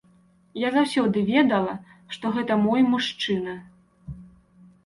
Я заўсёды ведала, што гэта мой мужчына.